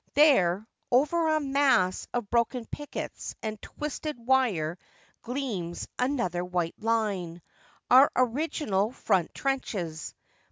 There, over a mass of broken pickets and twisted wire, gleams another white line — our original front trenches.